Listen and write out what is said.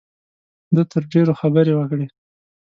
ده تر ډېرو خبرې وکړې.